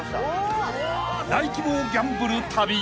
［大規模ギャンブル旅］